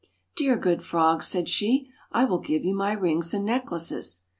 'Dear good frog/ said she, 'I will give you my rings and necklaces.'